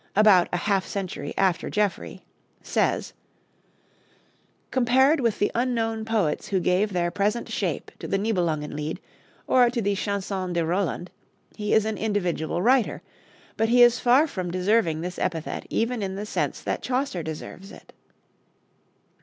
_ about a half century after Geoffrey), says: "Compared with the unknown poets who gave their present shape to the 'Nibelungenlied' or to the 'Chanson de Roland,' he is an individual writer; but he is far from deserving this epithet even in the sense that Chaucer deserves it."